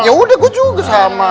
ya udah gue juga sama